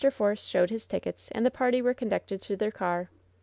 Force showed his tickets, and the party were con ducted to their car.